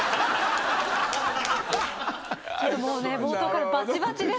ちょっともうね冒頭からバチバチですけれども。